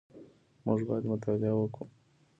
موږ باید مطالعه وکړو